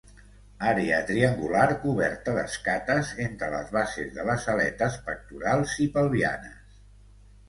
Àrea triangular coberta d'escates entre les bases de les aletes pectorals i pelvianes.